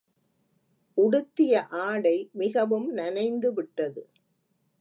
உடுத்திய ஆடை மிகவும் நனைந்துவிட்டது.